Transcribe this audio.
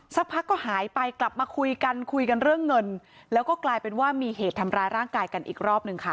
สักพักก็หายไปกลับมาคุยกันคุยกันเรื่องเงินแล้วก็กลายเป็นว่ามีเหตุทำร้ายร่างกายกันอีกรอบหนึ่งค่ะ